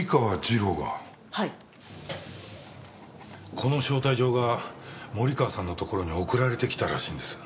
この招待状が森川さんのところに送られてきたらしいんです。